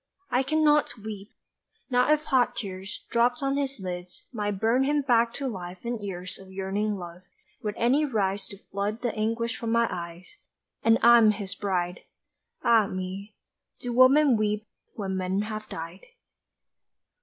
I cannot weep! Not if hot tears, Dropped on his lids, Might burn him back to life and years Of yearning love, would any rise To flood the anguish from my eyes And I'm his bride! Ah me, do women weep when men have died?